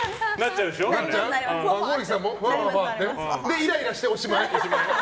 で、イライラしておしまい？